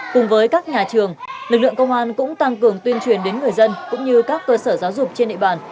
cùng với các nhà trường lực lượng công an cũng tăng cường tuyên truyền đến người dân cũng như các cơ sở giáo dục trên địa bàn